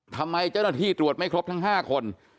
ทำไมเจ้าหน้าที่ตรวจไม่ครบทั้ง๕คน